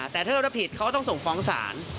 แต่ถ้าเราผิดเขาก็ต้องส่งฟ้องศาล